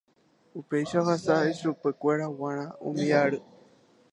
Upéicha ohasa ichupekuéra g̃uarã umi ary.